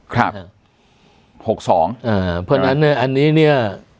ครับ๖๒เพราะฉะนั้นอันนี้เนี่ย